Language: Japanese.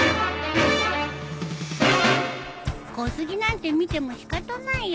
小杉なんて見ても仕方ないよ